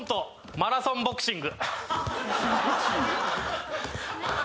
「マラソンボクシング」